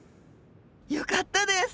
よかったです！